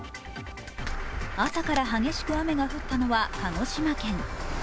朝から激しく雨が降ったのは鹿児島県。